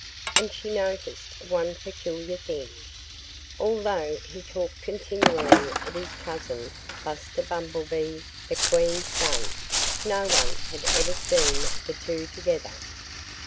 And she noticed one peculiar thing: Although he talked continually of his cousin Buster Bumblebee, the Queen's son, no one had ever seen the two together.